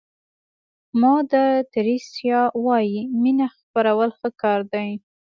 مادر تریسیا وایي مینه خپرول ښه کار دی.